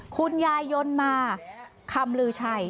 คุณยายยนต์มาคำลือชัย